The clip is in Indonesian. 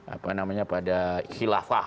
apa namanya pada khilafah